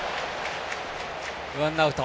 ワンアウト。